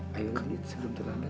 saya akan menjumpai ketua kenyataan